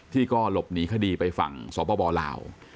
ที่ก็หลบหนีคดีไปฝั่งสปลาว